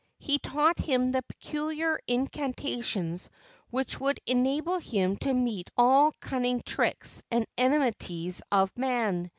He taught him the peculiar incantations which would enable him to meet all cunning tricks and enmities of man.